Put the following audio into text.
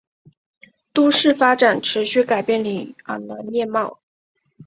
都市发展持续改变里昂的面貌。